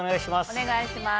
お願いします。